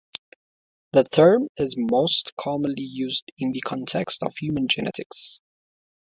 The term is most commonly used in the context of human genetics.